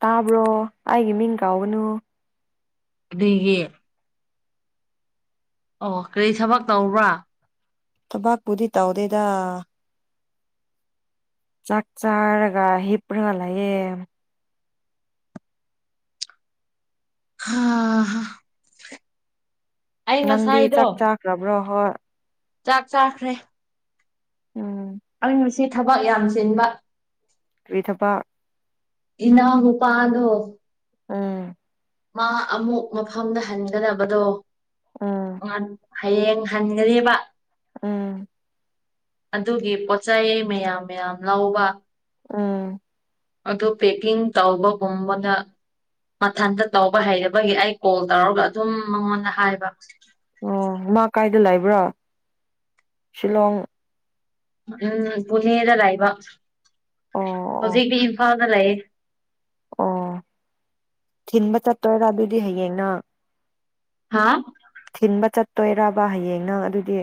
ꯇꯥꯕ꯭ꯔꯣ ꯑꯩꯒꯤ ꯃꯤꯡ ꯀꯥꯎꯒꯅꯨ ꯑꯗꯒꯤ ꯑꯣ ꯀꯔꯤ ꯊꯕꯛ ꯇꯧꯕ꯭ꯔꯥ ꯇꯕꯥꯥꯛ ꯀꯗꯤꯠꯇ ꯍꯗꯦꯗ ꯆꯥꯛ ꯆꯔꯒ ꯍꯤꯞꯄꯔꯒꯂꯌꯦ ꯑꯥ ꯅꯪꯗꯤ ꯆꯥꯛ ꯆꯥꯈ꯭ꯔꯕ꯭ꯔꯣ ꯍꯣꯏ ꯆꯥꯛ ꯆꯥꯈ꯭ꯔꯦ ꯎꯝ ꯑꯩ ꯉ ꯃꯁꯤ ꯊꯕꯛ ꯌꯥꯝ ꯆꯤꯟꯕ ꯀꯔꯤꯊꯄꯥ ꯏꯅ ꯎꯄꯥꯗꯣ ꯑꯝ ꯃꯥ ꯑꯃꯨꯛ ꯃꯐꯝꯗ ꯍꯟꯒꯅꯕꯗꯣ ꯎꯝ ꯍꯌꯦꯡ ꯍꯟꯒꯅꯦꯕ ꯎꯝ ꯑꯗꯨꯒꯤ ꯄꯣꯠꯆ ꯆꯩ ꯃꯌꯥꯝ ꯃꯌꯥꯝ ꯂꯧꯕ ꯑꯥ ꯑꯗꯨꯣ ꯄꯦꯛꯀꯤꯡ ꯇꯧꯕꯒꯨꯝꯝꯕꯅ ꯃꯊꯟꯇ ꯇꯧꯕ ꯍꯩꯅꯅꯕꯒꯤ ꯑꯩ ꯀꯣꯜ ꯇꯧꯔꯒ ꯑꯗꯨꯝ ꯃꯉꯣꯟꯗ ꯍꯥꯏꯕ ꯑꯣ ꯃꯥ ꯀꯥꯏꯗ ꯂꯩꯕ꯭ꯔꯥ ꯁꯤꯂꯣꯡ ꯎꯝ ꯄꯨꯅꯦꯗ ꯂꯥꯛꯕ ꯑꯣ ꯑꯣ ꯍꯧꯖꯤꯛꯇꯤ ꯏꯝꯐꯥꯜ ꯂꯩ ꯑꯣ ꯊꯤꯟꯕ ꯆꯠꯇꯣꯏꯔꯥ ꯑꯗꯨꯗꯤ ꯍꯌꯦꯡꯅꯪ ꯍꯥꯥ ꯊꯤꯟꯕ ꯆꯠꯇꯣꯏꯔꯕ ꯍꯌꯦꯡ ꯅꯪ ꯑꯗꯨꯗꯤ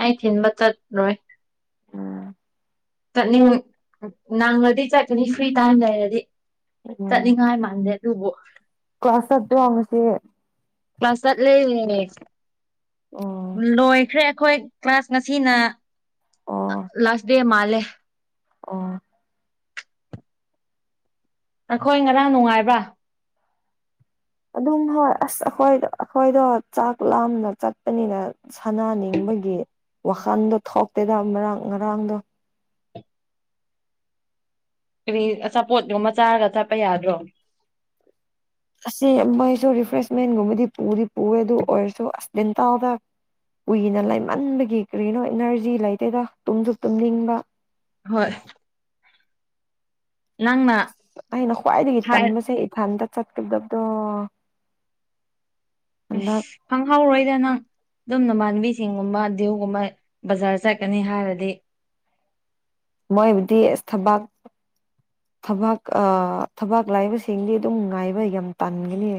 ꯑꯩ ꯊꯤꯟꯕ ꯆꯠꯅꯣꯏ ꯎꯝ ꯠꯅꯤꯡ ꯅꯪꯉꯗꯤ ꯆꯠꯀꯅꯤ ꯐ꯭ꯔꯤ ꯇꯥꯏꯝ ꯂꯩꯔꯗꯤ ꯆꯠꯅꯤꯡꯉꯥꯏ ꯃꯥꯟꯗꯦ ꯑꯗꯨꯕꯨꯣ ꯀ꯭ꯂꯥꯁꯠꯇ ꯋꯥꯉꯁꯦ ꯃꯥ ꯆꯠꯂꯦꯦ ꯑꯣ ꯂꯣꯏꯈ꯭ꯔꯦ ꯑꯩꯈꯣꯏ ꯀ꯭ꯂꯥꯁ ꯉꯁꯤꯅ ꯑꯣ ꯂꯥꯁ ꯗꯦ ꯃꯥꯜꯂꯦ ꯑꯣ ꯅꯈꯣꯏ ꯉꯔꯥꯡ ꯅꯨꯡꯉꯥꯏꯕ꯭ꯔꯥ ꯑꯗꯨꯝ ꯍꯣꯏ ꯑꯁ ꯑꯩꯈꯣꯏ ꯑꯩꯈꯣꯏꯗꯣ ꯆꯥꯛ ꯂꯥꯝꯅ ꯆꯠꯄꯅꯤꯅ ꯁꯥꯟꯅꯅꯤꯡꯕ ꯑꯩꯈꯣꯏꯒꯤ ꯋꯥꯈꯜꯗꯣ ꯊꯣꯛꯇꯦꯗ ꯃꯔꯥꯡ ꯉꯔꯥꯡꯗꯣ ꯀꯔꯤ ꯑꯆꯥꯄꯣꯠ ꯌꯣꯃ ꯆꯥꯔꯒ ꯆꯠꯄ ꯌꯥꯗ꯭ꯔꯣ ꯑꯁꯤ ꯃꯣꯏꯁꯨ ꯔꯤꯐ꯭ꯔꯦꯁꯃꯦꯟꯨ ꯒꯨꯝꯃꯗꯤ ꯄꯨꯔꯤ ꯄꯨꯔꯦ ꯑꯗꯨ ꯑꯣꯏꯔꯁꯨꯣ ꯑꯁꯟ ꯇꯗ ꯀꯨꯏꯅ ꯂꯩꯃꯟꯕꯒꯤ ꯀꯔꯤꯅꯣ ꯏꯅꯔꯖꯤ ꯂꯩꯇꯦꯗ ꯇꯨꯝꯁꯨ ꯇꯨꯝꯅꯤꯡꯕ ꯍꯣꯏ ꯅꯪꯅ ꯑꯁ ꯑꯩꯅ ꯈ꯭ꯋꯥꯏꯗꯒꯤ ꯍꯥꯏ ꯑꯁ ꯇꯟꯕꯁꯦ ꯏꯐꯥꯟꯗ ꯆꯠꯀꯗꯕꯗꯣ ꯍꯟꯗꯛ ꯑꯁ ꯈꯪꯍꯧꯔꯣꯏꯗ ꯅꯪ ꯑꯗꯨꯝ ꯅꯃꯥꯟꯕꯤꯁꯤꯡꯒꯨꯝꯕ ꯗꯤ꯭ꯌꯎꯒꯨꯝꯕ ꯕꯖꯥꯔ ꯆꯠꯀꯅꯤ ꯍꯥꯏꯔꯗꯤ ꯃꯣꯏꯕꯨꯗꯤ ꯏꯁ ꯊꯕꯥꯛ ꯊꯕꯥꯛ ꯑ ꯊꯕꯥꯛ ꯂꯥꯏꯕꯁꯤꯡꯗꯤ ꯑꯗꯨꯝ ꯉꯥꯏꯕ ꯌꯥꯝ ꯇꯟꯒꯅꯤ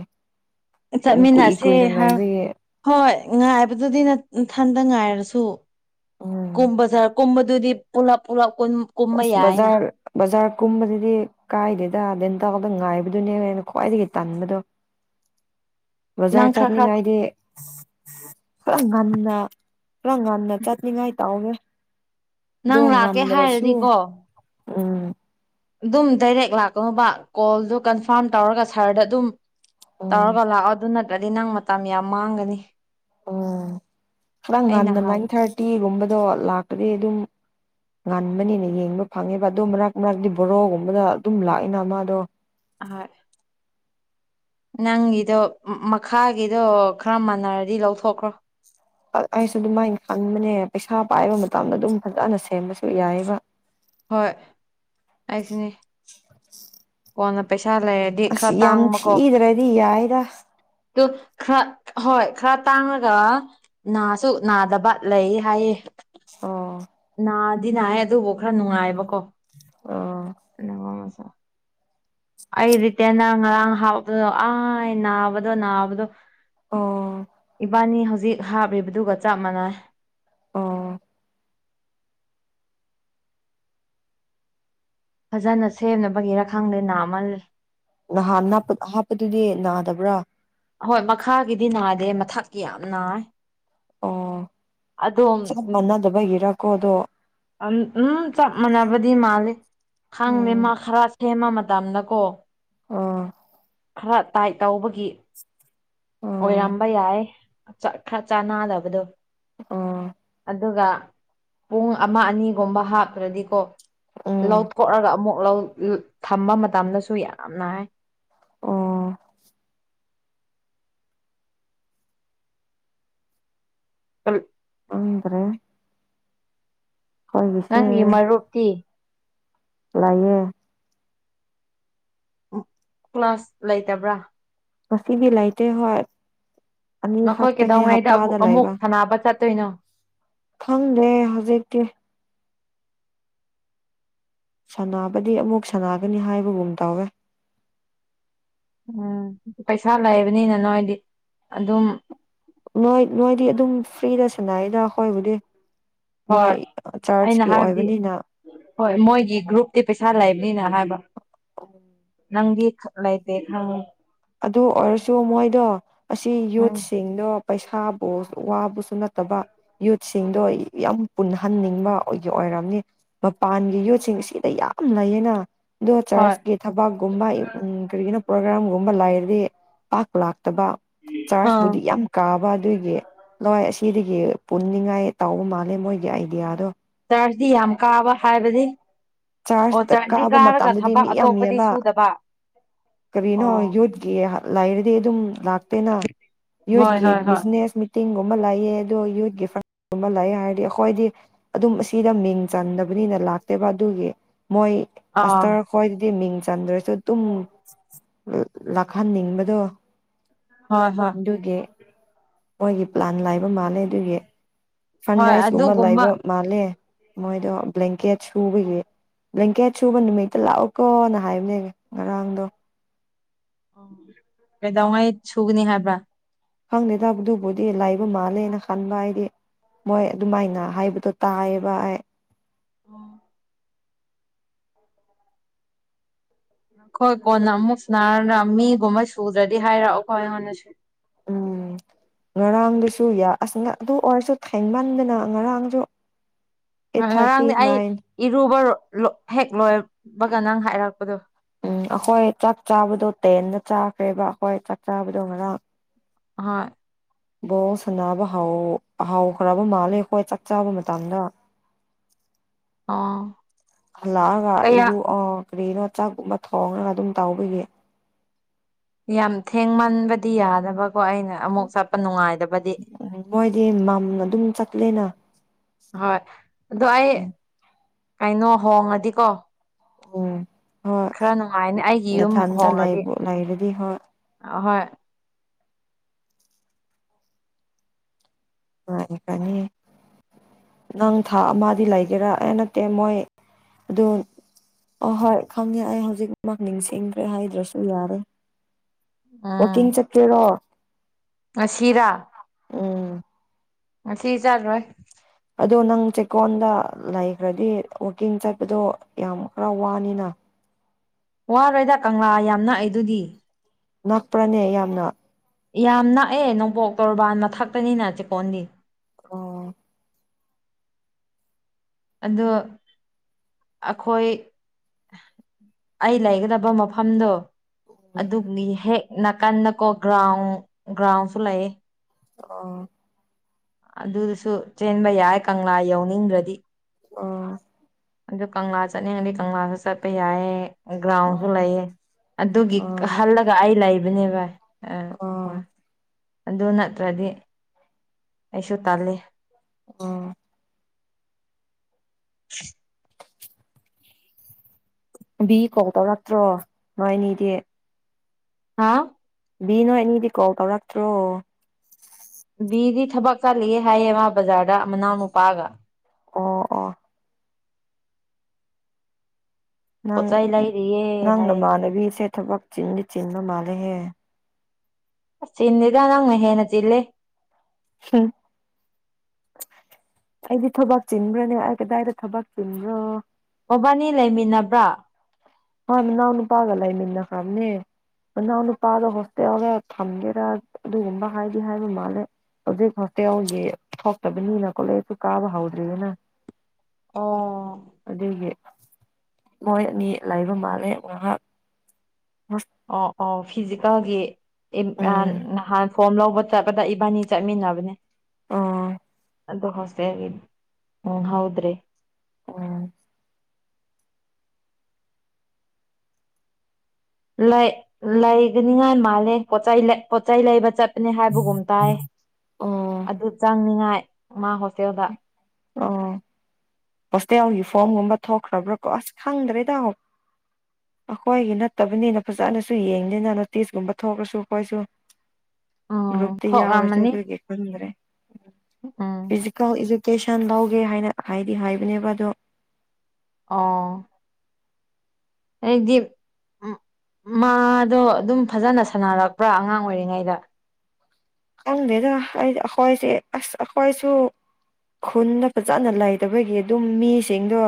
ꯌꯥꯝ ꯀꯨꯏ ꯆꯠꯃꯤꯟꯅꯁꯦ ꯀꯨꯏꯅ ꯍꯥ ꯉꯥꯏꯕꯒꯤ ꯍꯣꯏ ꯉꯥꯏꯕꯗꯨꯗꯤ ꯏꯊꯟꯗ ꯉꯥꯏꯔꯁꯨ ꯎꯝ ꯀꯨꯝꯕꯖꯥꯔ ꯀꯨꯝꯕꯗꯨꯗꯤ ꯄꯨꯂꯞ ꯄꯨꯂꯞ ꯀꯨꯝꯕ ꯑꯁ ꯌꯥꯏꯅ ꯕꯖꯥꯔ ꯕꯖꯥꯔ ꯀꯨꯝꯕꯕꯁꯤꯗꯤ ꯀꯥꯏꯗꯦꯗ ꯗꯦꯟ ꯇꯥꯎꯗ ꯉꯥꯏꯕꯗꯨꯅꯦ ꯑꯩꯅ ꯈ꯭ꯋꯥꯏꯗꯒꯤ ꯇꯟꯕꯗꯣ ꯅꯪ ꯕꯖꯥꯔ ꯈꯔ ꯈꯔ ꯆꯠꯅꯤꯡꯉꯥꯏꯗꯤ ꯈꯔ ꯉꯟꯅ ꯄꯨꯔ ꯉꯟꯅ ꯆꯠꯅꯤꯡꯉꯥꯏ ꯇꯥꯎꯒꯦ ꯅꯪ ꯂꯥꯛꯀꯦ ꯍꯥꯏꯔꯗꯤꯀꯣ ꯎꯝ ꯑꯗꯨꯝ ꯗꯥꯏꯔꯦꯛ ꯂꯥꯛꯑꯣꯕ ꯀꯣꯜꯗꯨ ꯀꯟꯐꯥꯔꯝ ꯇꯧꯔꯒ ꯁꯥꯔꯗ ꯑꯗꯨꯝ ꯎꯝ ꯇꯧꯔꯒ ꯂꯥꯛꯑꯣ ꯑꯗꯨ ꯅꯠꯇ꯭ꯔꯗꯤ ꯅꯪ ꯃꯇꯝ ꯌꯥꯝ ꯃꯥꯡꯒꯅꯤ ꯑꯣ ꯈꯔ ꯑꯩ ꯉꯟꯅ ꯅꯍꯥꯟ ꯅꯥꯏꯟ ꯊꯥꯔꯇꯤꯒꯨꯝꯕꯗꯣ ꯂꯥꯛꯄꯗꯤ ꯑꯗꯨꯝ ꯉꯟꯕꯅꯤꯅ ꯌꯦꯡꯕ ꯐꯪꯉꯦꯕ ꯑꯗꯣ ꯃꯔꯛ ꯃꯔꯛꯇꯤ ꯕꯣꯔꯣꯒꯨꯝꯕꯗ ꯑꯗꯨꯝ ꯂꯥꯛꯏꯅ ꯃꯥꯗꯣ ꯍꯣꯏ ꯅꯪꯒꯤꯗꯣ ꯃꯈꯥꯒꯤꯗꯣ ꯈꯔ ꯃꯥꯟꯅꯔꯗꯤ ꯂꯧꯊꯣꯛꯈ꯭ꯔꯣ ꯑꯩꯁꯨ ꯑꯗꯨꯃꯥꯏꯅ ꯈꯟꯕꯅꯦ ꯄꯩꯁꯥ ꯄꯥꯏꯕ ꯃꯇꯝꯗ ꯑꯗꯨꯝ ꯐꯖꯅ ꯁꯦꯝꯕꯁꯨ ꯌꯥꯏꯌꯦꯕ ꯍꯣꯏ ꯑꯩꯁꯤꯅꯦ ꯀꯣꯟꯅ ꯄꯩꯁ ꯁꯥ ꯂꯩꯔꯗꯤ ꯑꯁ ꯈꯔ ꯌꯥꯝ ꯇꯥꯡꯕꯀꯣ ꯊꯤꯗ꯭ꯔꯗꯤ ꯌꯥꯏꯗ ꯑꯗꯨ ꯈꯔ ꯍꯣꯏ ꯈꯔ ꯇꯥꯡꯉꯒ ꯅꯥꯁꯨ ꯅꯥꯗꯕ ꯂꯩ ꯍꯥꯏꯌꯦ ꯑꯣ ꯑꯗꯨꯅ ꯍꯥꯏ ꯑꯗꯨꯕꯨ ꯈꯔ ꯅꯨꯡꯉꯥꯏꯕꯀꯣ ꯑꯣ ꯑꯩ ꯔꯤꯇꯦꯟꯅ ꯉꯔꯥꯡ ꯍꯥꯎꯄꯗꯣ ꯑ ꯅꯥꯕꯗꯣ ꯅꯥꯕꯗꯣ ꯑꯣ ꯖꯤꯛ ꯍꯥꯞꯂꯤꯗꯨꯒ ꯆꯞ ꯃꯥꯟꯅꯩ ꯑꯣ ꯐꯖꯅ ꯁꯦꯝꯅꯕꯒꯤꯔꯥ ꯈꯪꯗꯦ ꯅꯥꯃꯜꯂꯤ ꯅꯍꯥꯟ ꯅꯞꯄ ꯍꯥꯞꯄꯗꯨꯗꯤ ꯅꯥꯗꯕ꯭ꯔꯥ ꯊꯛꯏ ꯌꯥꯝ ꯅꯥꯏ ꯑꯣ ꯑꯗꯣꯝ ꯆꯞ ꯃꯥꯟꯅꯗꯕꯒꯤꯔꯀꯣ ꯑꯗꯣ ꯎꯝ ꯆꯞ ꯃꯥꯟꯅꯕꯗꯤ ꯃꯥꯜꯂꯤ ꯈꯪꯗꯦ ꯎꯝ ꯃꯥ ꯈꯔ ꯁꯦꯝꯃ ꯃꯇꯝꯅꯀꯣ ꯑꯣ ꯈꯔ ꯇꯥꯏꯠ ꯇꯧꯕꯒꯤ ꯑꯣ ꯑꯣꯏꯔꯝꯕ ꯌꯥꯏ ꯆ ꯈꯔ ꯆꯥꯟꯅꯗꯕꯗꯣ ꯑ ꯑꯗꯨꯒ ꯄꯨꯡ ꯑꯃ ꯑꯅꯤꯒꯨꯝꯕ ꯍꯥꯞꯇ꯭ꯔꯗꯤꯀꯣ ꯎꯝ ꯂꯧꯊꯣꯛꯔꯒ ꯑꯃꯨꯛ ꯊꯝꯕ ꯃꯇꯝꯗꯁꯨ ꯌꯥꯝꯅ ꯅꯥꯏ ꯑꯣ ꯑꯜ ꯕꯔꯣ ꯅꯪꯒꯤ ꯃꯔꯨꯞꯇꯤ ꯂꯩꯑꯌꯦ ꯀ꯭ꯂꯥꯁ ꯂꯩꯇꯕ꯭ꯔꯥ ꯉꯁꯤꯕꯤ ꯂꯥꯏꯇ ꯍ ꯑ ꯅꯈꯣꯏ ꯍꯞꯇꯥꯅꯦ ꯀꯩꯗꯧꯉꯩꯗ ꯍꯥꯞꯇꯥ ꯑꯕꯨ ꯑꯗ ꯑꯃꯨꯛ ꯂꯩꯑꯕ ꯁꯥꯟꯅꯕ ꯆꯠꯇꯣꯏꯅꯣ ꯈꯪꯗꯦ ꯍꯧꯖꯤꯛꯛꯇꯀꯤ ꯁꯕꯗꯤ ꯑꯃꯨꯛ ꯁꯥꯟꯅꯒꯅꯤ ꯍꯥꯏꯕꯒꯨꯝ ꯇꯧꯋꯦ ꯎꯝ ꯄꯩꯁꯥ ꯂꯩꯕꯅꯤꯅ ꯅꯣꯏꯗꯤ ꯑꯗꯨꯝ ꯅꯣꯏ ꯅꯣꯏꯗꯤ ꯑꯗꯨꯝ ꯐ꯭ꯔꯤꯗ ꯁꯥꯟꯅꯩꯗ ꯍꯣꯏꯕꯨꯗꯤ ꯃꯣꯏ ꯍꯣꯏ ꯑꯩꯅ ꯆꯔꯆꯀꯤ ꯍꯥꯏꯕꯗꯤ ꯑꯣꯏꯕꯅꯤꯅ ꯍꯣꯏ ꯃꯣꯏꯒꯤ ꯒ꯭ꯔꯨꯞꯇꯤ ꯄꯩꯁꯥ ꯂꯩꯕꯅꯤꯅ ꯍꯥꯏꯕ ꯅꯪꯗꯤ ꯂꯥꯏꯇꯦ ꯎ ꯑꯗꯨ ꯑꯣꯏꯔꯁꯨ ꯃꯣꯏꯗꯣ ꯑꯁꯤ ꯎꯝ ꯌꯨꯠꯁꯤꯡꯗꯣ ꯄꯩꯁꯥꯕꯨ ꯋꯥꯕꯨꯁꯨ ꯅꯠꯇꯕ ꯌꯨꯠꯁꯤꯡꯗꯣ ꯌꯥꯝ ꯄꯨꯟꯍꯟꯅꯤꯡꯕꯒꯤ ꯑꯣꯏ ꯝꯅꯤ ꯃꯄꯥꯟꯒꯤ ꯌꯣꯠꯁꯤꯡ ꯁꯤꯗ ꯌꯥꯝ ꯂꯩꯌꯦꯅ ꯑꯗꯣ ꯍꯣꯏ ꯆꯥꯔꯆꯀꯤ ꯊꯕꯛꯀꯨꯝꯕ ꯀꯔꯤꯒꯤꯅꯣ ꯄ꯭ꯔꯣꯒ꯭ꯔꯥꯝꯒꯨꯝꯕ ꯂꯩꯥꯏꯔꯗꯤ ꯄꯥꯛꯄ ꯂꯥꯛ ꯐꯠꯇꯕ ꯑꯥ ꯆꯥꯔꯖꯕꯨꯨꯗꯤ ꯌꯥꯝ ꯀꯥꯕ ꯑꯗꯨꯒꯤ ꯂꯋꯥꯏ ꯑꯁꯤ ꯁꯤꯗꯒꯤ ꯄꯨꯟꯅꯤꯡꯉꯥꯏ ꯇꯥꯎꯕ ꯃꯥꯜꯂꯦ ꯃꯣꯏꯒꯤ ꯑꯥꯏꯗꯤꯌꯥꯗꯣ ꯔꯗꯤ ꯌꯥꯝ ꯀꯥꯕ ꯍꯥꯏꯕꯗꯤ ꯑꯣ ꯆꯥꯔꯖꯇ ꯆꯔꯗꯤ ꯀꯥꯕ ꯀꯥꯔꯒ ꯃꯇꯝꯗꯗꯤ ꯊꯕꯛ ꯃꯤ ꯑꯇꯣꯞꯄꯗꯤ ꯌꯥꯝꯃꯦꯕ ꯁꯨꯗꯕ ꯀꯔꯤꯅꯣ ꯑꯣ ꯌꯣꯠꯦ ꯂꯥꯏꯔꯗꯤ ꯑꯗꯨꯝ ꯂꯥꯛꯇꯦꯅ ꯌ ꯍꯣꯏ ꯍꯣꯏ ꯍꯣꯏ ꯕꯤꯅꯦꯁ ꯃꯤꯇꯤꯡ ꯂꯑ ꯑ ꯌꯨꯠ ꯂꯑꯦ ꯍꯥꯏꯔꯗꯤ ꯑꯩꯈꯣꯏꯗꯤ ꯑꯗꯨꯝ ꯑꯁꯤꯗ ꯃꯤꯡ ꯆꯟꯗꯕꯅꯤꯅ ꯂꯥꯛꯇꯦꯕ ꯑꯗꯨꯒꯤ ꯃꯣꯏ ꯑꯥ ꯑꯁꯇꯔ ꯈꯣꯏꯗꯗꯤ ꯃꯤꯡ ꯆꯟꯗ꯭ꯔꯁꯨ ꯑꯗꯨꯝ ꯂꯥꯛꯍꯟꯅꯤꯡꯕꯗꯣ ꯍꯣꯏ ꯍꯣꯏ ꯑꯗꯨꯒꯤ ꯃꯣꯏꯒꯤ ꯄ꯭ꯂꯥꯟ ꯂꯥꯏꯕ ꯃꯥꯜꯂꯦ ꯑꯗꯨꯒꯤ ꯐꯟ ꯍꯣꯏ ꯔꯥꯏꯁꯀꯨꯝꯕ ꯑꯗꯨꯒꯨꯝꯕ ꯂꯩꯕ ꯃꯥꯜꯂꯦ ꯃꯣꯏꯗꯣ ꯕ꯭ꯂꯦꯡꯀꯦꯠ ꯁꯨꯕꯒꯤ ꯂꯦꯡꯀꯦꯠ ꯁꯨꯕ ꯅꯨꯃꯤꯠꯇ ꯂꯥꯛꯑꯣꯀꯣꯅ ꯍꯥꯏꯕꯅꯦ ꯉꯔꯥꯡꯗꯣ ꯎ ꯀꯩꯗꯧꯉꯩ ꯁꯨꯒꯅꯤ ꯍꯥꯏꯕ꯭ꯔꯥ ꯈꯪꯗꯦ ꯇꯕꯗꯨꯕꯨꯗꯤ ꯂꯥꯏꯕ ꯃꯥꯜꯂꯦꯅ ꯈꯟꯕ ꯍꯥꯏꯗꯤ ꯃꯣꯏ ꯑꯗꯨꯃꯥꯏꯅ ꯍꯥꯏꯕꯗꯣ ꯇꯥꯏꯌꯦꯕ ꯑꯣ ꯑꯩꯈꯣꯏ ꯀꯣꯟꯅ ꯑꯃꯨꯛ ꯁ ꯅꯥꯔꯒ ꯃꯤꯒꯨꯝꯕ ꯁꯨꯗ꯭ꯔꯗꯤ ꯍꯥꯏꯔꯛꯑꯣꯈꯣ ꯑꯩꯉꯣꯟꯗꯁꯨ [unintelligible] ꯎꯝ ꯉꯔꯥꯡꯗꯨꯁꯨ ꯌꯥ ꯑꯁ ꯑꯗꯨ ꯑꯣꯏꯔꯁꯨ ꯊꯦꯡꯃꯟꯗꯅ ꯉꯔꯥꯡꯁꯨ ꯑꯩꯠ ꯊꯥꯔꯇꯤ ꯉꯔꯥꯡꯗꯤ ꯑꯩ ꯅꯥꯏꯟ ꯏꯔꯨꯕ ꯍꯦꯛ ꯂꯣꯏꯕꯒ ꯅꯪ ꯍꯥꯏꯔꯛꯄꯗꯣ ꯎꯝ ꯑꯩꯈꯣꯏ ꯆꯥꯛ ꯆꯥꯕꯗꯣ ꯇꯦꯟꯗ ꯆꯥꯈ꯭ꯔꯦꯕ ꯑꯩꯈꯣꯏ ꯆꯥꯛ ꯆꯥꯕꯗꯣ ꯉꯔꯥꯡ ꯍꯣꯏ ꯕꯣ ꯁꯅꯥꯕꯥꯎꯍꯥꯎ ꯈ꯭ꯔꯕ ꯃꯥꯜꯂꯦ ꯑꯩꯈꯣꯏ ꯆꯥꯛ ꯆꯥꯕ ꯃꯇꯝꯗ [unintelligible] ꯑꯣ ꯑꯂꯒ ꯀꯌꯥ ꯏꯗꯨ ꯑ ꯀꯀ꯭ꯔꯤꯅꯣ ꯆꯥꯛꯀꯨꯝꯕ ꯊꯣꯡꯉꯒ ꯑꯗꯨꯝ ꯇꯧꯕꯕꯒꯤ ꯌꯥꯝ ꯊꯦꯡꯃꯟꯕꯗꯤ ꯌꯥꯗꯕ ꯀꯣ ꯑꯩꯅ ꯑꯃꯨꯛ ꯆꯠꯄ ꯅꯨꯡꯉꯥꯏꯗꯕꯗꯤ ꯎꯝ ꯃꯣꯏꯗꯤ ꯃꯝꯅ ꯑꯗꯨꯝ ꯆꯠꯂꯦꯅ ꯍꯣꯏ ꯑꯣ ꯑꯩ ꯀꯩꯅꯣ ꯍꯣꯡꯉꯗꯤꯀꯣ ꯎꯝ ꯍꯣꯏ [unintelligible] ꯈꯔ ꯅꯨꯡꯉꯥꯏꯅꯤ ꯑꯩꯒꯤ ꯌꯨꯝ ꯅꯊꯟꯇ ꯍꯣꯡꯉꯗꯤ ꯂꯩꯕꯨ ꯂꯩꯔꯗꯤ ꯍꯣꯏ ꯑꯍꯣꯏ ꯍ ꯀꯅꯤ ꯅꯪ ꯊꯥ ꯑꯃꯗꯤ ꯂꯩꯒꯦꯔꯥ ꯑꯦ ꯅꯠꯇꯦ ꯃꯣꯏ ꯑꯗꯨ ꯑꯍꯣꯏ ꯈꯪꯉꯦ ꯑꯩ ꯍꯧꯖꯤꯛꯃꯛ ꯅꯤꯡꯁꯤꯡꯈ꯭ꯔꯦ ꯍꯥꯏꯗ꯭ꯔꯁꯨ ꯌꯥꯔꯦ ꯋꯥꯀꯤꯡ ꯆꯠꯀꯦꯔꯣ ꯑꯁꯤꯔꯥ ꯎꯝ ꯑ ꯀ ꯆꯜꯔꯣ ꯑꯗꯣ ꯅꯪ ꯆꯦꯛꯀꯣꯟꯗ ꯂꯩꯈ꯭ꯔꯗꯤ ꯋꯥꯛꯀꯤꯡ ꯆꯠꯄꯗꯣ ꯌꯥꯝ ꯈꯔ ꯋꯥꯅꯤꯅ ꯋꯥꯔꯣꯏꯗ ꯀꯪꯂꯥ ꯌꯥꯝꯅ ꯑꯩꯗꯨꯗꯤ ꯅꯛꯄ꯭ꯔꯥꯅꯦ ꯌꯥꯝꯅ ꯌꯥꯝ ꯅꯥꯛꯑꯦ ꯅꯣꯡꯄꯣꯛ ꯇꯣꯔꯕꯥꯟ ꯃꯊꯛꯇꯅꯤꯅ ꯆꯤꯀꯣꯟꯗꯤ ꯑꯣ ꯑꯗꯣ ꯑꯩꯈꯣꯏ ꯑꯩ ꯂꯩꯒꯗꯕ ꯃꯐꯝꯗꯣ ꯎꯝ ꯑꯗꯨꯕꯨꯅꯤ ꯍꯦꯛ ꯅꯥꯀꯟꯗꯀꯣ ꯒ꯭ꯔꯥꯎꯟ ꯒ꯭ꯔꯥꯎꯟꯁꯨ ꯂꯩ ꯑ ꯑꯗꯨꯗꯨꯁꯨ ꯆꯦꯟꯕ ꯌꯥꯏ ꯀꯪꯂꯥ ꯌꯥꯎꯅꯤꯡꯗ꯭ꯔꯗꯤ ꯑꯣ ꯑꯗꯨ ꯀꯪꯂꯥ ꯆꯠꯅꯤꯡꯉꯗꯤ ꯀꯪꯂꯥꯁꯨ ꯆꯠꯄ ꯌꯥꯏꯌꯦ ꯒ꯭ꯔꯥꯎꯟꯁꯨ ꯂꯩꯌꯦ ꯑꯗꯨꯒꯤ ꯑꯣ ꯑꯣ ꯍꯜꯂꯒ ꯑꯩ ꯂꯩꯕꯅꯦ ꯚꯥꯏ ꯑ ꯑꯣ ꯍꯣꯏ ꯑꯗꯨ ꯅꯠꯇ꯭ꯔꯗꯤ ꯑꯩꯁꯨꯣ ꯇꯦ ꯑꯣ [unintelligible] ꯕꯤ ꯀꯣꯜ ꯇꯧꯔꯛꯇ꯭ꯔꯣ ꯃꯥꯏꯅꯤꯗ‌ꯦ ꯍꯥꯥ ꯕꯤ ꯅꯣꯏ ꯑꯅꯤꯗꯤ ꯀꯣꯜ ꯇꯧꯔꯛꯇ꯭ꯔꯣ ꯕꯤꯗꯤ ꯊꯕꯛ ꯆꯠꯂꯤꯌꯦ ꯍꯥꯏꯌꯦ ꯃꯥ ꯕꯖꯥꯔꯗ ꯃꯅꯥꯎ ꯅꯨꯄꯥꯒ ꯑꯣ ꯑꯣ ꯅꯪ ꯄꯣꯠꯆꯩ ꯂꯩꯔꯤꯌꯦ ꯅꯪ ꯍꯥꯏꯌꯦ ꯅꯃꯥꯟꯅꯕꯤꯁꯦ ꯊꯕꯛ ꯆꯤꯟꯗꯤ ꯆꯤꯟꯕ ꯃꯥꯜꯂꯦꯍꯦ ꯑꯁ ꯆꯤꯟꯗꯦꯗ ꯅꯪꯅ ꯍꯦꯟꯅ ꯆꯤꯜꯂꯦ ꯍꯝ ꯑꯩꯗꯤ ꯊꯕꯛ ꯆꯤꯟꯕ꯭ꯔꯅꯦ ꯑꯩ ꯀꯗꯥꯏꯗ ꯊꯕꯛ ꯆꯤꯟꯕ꯭ꯔꯣ ꯃꯕꯥꯅꯤ ꯂꯩꯃꯤꯟꯅꯕ꯭ꯔꯥ ꯍꯥꯎ ꯅꯅꯥꯎ ꯅꯨꯄꯥꯒ ꯂꯩꯏ ꯃꯤꯟꯅ ꯈꯝꯅ‌ꯦ ꯅꯅꯎ ꯅꯨꯄꯥꯗꯣ ꯍꯣꯁꯇ‌ꯦꯜꯗ ꯊꯝꯒꯦꯔꯥ ꯑꯗꯨꯒꯨꯝꯕ ꯍꯥꯏꯗꯤ ꯍꯥꯏꯕ ꯃꯥꯜꯂꯦ ꯍꯧꯖꯤꯛ ꯍꫭꯁꯇ‌ꯦꯜꯒꯤ ꯊꯣꯛꯇꯕꯅꯤꯅ ꯀꯣꯂꯦꯁꯨ ꯀꯥꯕ ꯍꯧꯗ꯭ꯔꯤꯌꯦꯅ ꯑꯣ ꯑꯗꯨꯏꯒꯤ ꯃꯣꯏ ꯑꯅꯤ ꯂꯩꯕ ꯃꯥꯜꯂꯦ ꯉꯍꯥꯛ ꯑꯣ ꯑꯣ ꯐꯤꯖꯤꯀꯦꯜꯒꯤ ꯐꯝꯄꯔꯟ ꯎꯝ ꯅꯍꯥꯟ ꯐꯣꯝ ꯂꯧꯕ ꯆꯠꯒꯗ ꯏꯕꯥꯅꯤ ꯆꯠꯃꯤꯟꯅꯕꯅꯦ ꯑꫭ ꯑꯗꯣ ꯍꫭꯁꯇ‌ꯦꯜꯒꯤ‌ ꯅꯪꯍꯧꯗꯔ‌ꯦ ꯎꯝ ꯂꯩ ꯂꯩꯒꯅꯤꯉꯥꯏ ꯃꯥꯜꯂꯦꯠ ꯄꯣꯠꯆꯩꯏ ꯂꯩ ꯄꫭꯠꯆꯩꯏ ꯂꯩꯕ ꯆꯠꯄ ꯅꯤ ꯍꯥꯏꯕꯒꯨꯝ ꯇꯥꯏ ꯑꯣ ꯑꯗꯨ ꯆꯪꯅꯤꯉꯥꯏ ꯃꯥ ꯍꯣꯁꯇꯦꯜꯗ [inaudible] ꯑꯣ ꯍꯣꯁꯇꯦꯜꯒꯤ ꯐꯣꯝꯒꯨꯝꯕ ꯊꯣꯛꯈ꯭ꯔꯕ꯭ꯔꯥ ꯀꯣ ꯑꯁ ꯈꯪꯗ꯭ꯔ‌ꯦꯗꯥ ꯑꯩꯈꯣꯏꯒꯤ ꯅꯠꯇꯕꯅꯤꯅ ꯐꯖꯅꯁꯨ ꯌꯦꯡꯗꯤꯅ ꯅꯣꯇꯤꯁꯀꯨꯝꯕ ꯊꯣꯛ꯭ꯔꯁꯨ ꯄꯔꯁꯨ ꯎꯝ ꯒ꯭ꯔꯨꯞꯇ ꯌꯥꯎꯔꯁꯨ ꯊꯣꯛꯂꯝꯃꯅꯤ ꯑꯗꯨꯒꯤ ꯄꯨꯟꯗ꯭ꯔꯦ ꯎꯝ ꯐꯤꯖꯤꯀꯜ ꯏꯖꯨ ꯏꯁꯦꯟ ꯕꯧꯒꯦ ꯍꯥꯏꯅ ꯍꯥꯏꯗꯤ ꯍꯥꯏꯕꯅꯦꯕ ꯑꯗꯣ ꯑ ꯑꯩꯗꯤ ꯎꯝ ꯑꯝ ꯃꯥꯗꯣ ꯑꯗꯨꯝ ꯐꯖꯅ ꯁꯥꯟꯅꯔꯛꯄ꯭ꯔꯥ ꯑꯉꯥꯡ ꯑꯣꯏꯔꯤꯉꯩꯗ ꯍꯪꯗꯦꯗ ꯑꯩ ꯑꯩꯈꫭꯏꯁꯤ ꯑꯁꯈꫭꯏꯁꯨ ꯈꯨꯟꯗ ꯐꯖꯅ ꯂꯩꯇꯕꯒꯤ ꯑꯗꯨꯝ ꯃꯤꯁꯤꯡꯗꯣ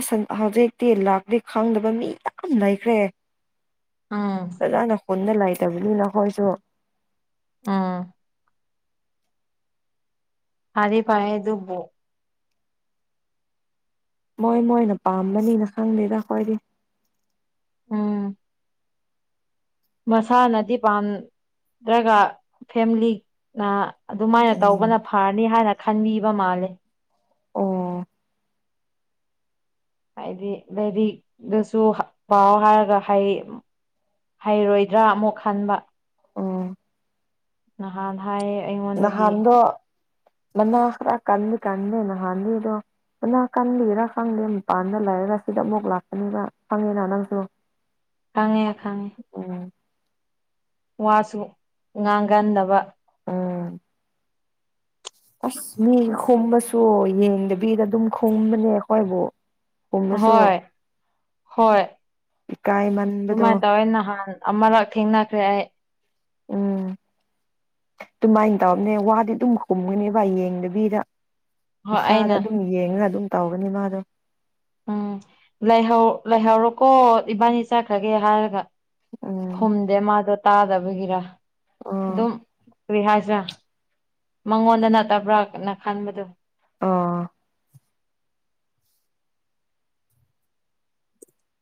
ꯑꯁ ꯍꯧꯖꯤꯛꯇꯤ ꯂꯥꯛꯅ‌ꯦ ꯈꯪꯗꯕ ꯃꯤ ꯌꯥꯝ ꯂꯩꯈ꯭ꯔꯦ ꯎꯝ ꯑꯗꯥꯅ ꯀꯨꯟꯅ ꯂꯥꯛꯇꯕꯅꯤꯅ ꯈꯣꯏꯁꯨ ꯑꯝ ꯐꯥꯗꯤ ꯐꯥꯏ ꯑꯗꯨꯕꯣ ꯃꯣꯏ ꯃꯣꯏꯅ ꯄꯥꯝꯕꯅꯤꯅ ꯈꯪꯗꯦꯗ ꯑꯩꯈꯣꯏꯗꯤ ꯎꯝ ꯃꯁꯥꯅꯗꯤ ꯄꯥꯝꯗ꯭ꯔꯒ ꯐꯦꯝꯂꯤꯅ ꯑꯗꯨꯃꯥꯏꯅ ꯎꯝ ꯇꯧꯕꯅ ꯐꯔꯅꯤ ꯍꯥꯏꯅ ꯈꯟꯕꯤꯕ ꯃꯥꯜꯂꯦ ꯑꯣ ꯍꯥꯏꯗꯤ ꯂꯥꯏꯔꯤꯛꯗꯁꯨ ꯄꯥꯎ ꯍꯥꯏꯔꯒ ꯍꯥꯏꯌ‌ꯦ ꯍꯩꯔꯣꯏꯗ꯭ꯔꯥ ꯑꯃꯨꯛ ꯈꯟꯕ ꯑꯣ ꯅꯍꯥꯟ ꯍꯥꯏꯌꯦ ꯑꯩꯉꯣꯟꯗꯗꯤ ꯉꯟꯅ ꯈꯔ ꯀꯟꯅꯤ ꯀꯟꯗꯦꯅ ꯅꯍꯥꯟꯗꯤꯗꯣ ꯅꯀꯟꯗꯩꫪ ꯈꯪꯗꯦ ꯃꯤꯄꯥꯟꯗ ꯂꯩꯔꯒ ꯁꯤꯗ ꯃꯨꯛ ꯂꯥꯛꯄꯅꯤꯕ ꯈꯪꯉꯤꯅ ꯅꯪꯁꯨ ꯈꯪꯉ‌ꯦ ꯈꯪꯉꯦ ꯎꯝ ꯋꯥꯁꯨ ꯉꯥꯡꯒꯟꯗꯕ ꯎꯝ ꯑꯁ ꯃꯤ ꯈꯨꯝꯕꯁꯨ ꯌꯦꯡꯗꯕꯤꯗ ꯑꯗꯨꯝ ꯈꯨꯝꯕꯅꯦ ꯑꯩꯈꯣꯏꯕꯨ ꯈꯨꯝꯕꯁꯨ ꯍꯣꯏ ꯍꯣꯏ ꯏꯀꯥꯏꯃꯟꯕꯗꯣ ꯑꯗꯨꯃꯥꯏꯅ ꯇꯧꯋꯦ ꯅꯍꯥꯟ ꯑꯃꯔꯛ ꯊꯦꯡꯅꯈ꯭ꯔꯦ ꯑꯩ ꯎꯝ ꯑꯗꯨꯃꯥꯏꯅ ꯇꯧꯔꯅꯦ ꯋꯥꯗꯤ ꯑꯗꯨꯝ ꯈꯨꯝꯒꯅꯦꯕꯚ ꯌꯦꯡꯗꯕꯤꯗ ꯍꯣꯏ ꯃꯈꯥꯗ ꯑꯩꯅ ꯑꯗꯨꯝ ꯌꯦꯡꯉꯒ ꯑꯗꯨꯝ ꯇꯧꯒꯅꯤ ꯃꯥꯗꯣ ꯎꯝ ꯂꯩꯍꯧꯔꯣꯀꯣ ꯏꯕꯥꯅꯤ ꯆꯠꯈ꯭ꯔꯒꯦ ꯍꯥꯏꯔꯒ ꯎꯝ ꯈꯨꯝꯗꯦ ꯃꯥꯗꯣ ꯇꯥꯗꯕꯒꯤꯔ ꯑꯣ ꯑꯗꯨꯝ ꯀꯔꯤ ꯍꯥꯏꯁ꯭ꯔꯥ ꯃꯉꯣꯟꯗ ꯅꯠꯇꯕ꯭ꯔꯥꯅ ꯈꯟꯕꯗꯨꯣ ꯑ